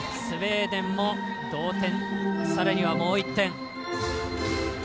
スウェーデンも同点さらにはもう１点。